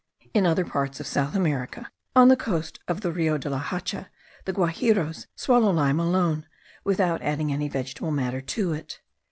In other parts of South America, on the coast of Rio de la Hacha, the Guajiros swallow lime alone, without adding any vegetable matter to it.